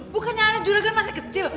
bukannya juragan masih kecil